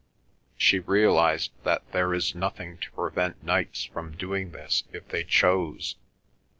She realised that there is nothing to prevent nights from doing this if they choose.